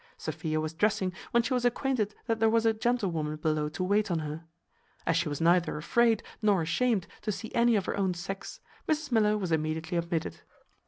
Sophia was dressing when she was acquainted that there was a gentlewoman below to wait on her. As she was neither afraid, nor ashamed, to see any of her own sex, Mrs Miller was immediately admitted.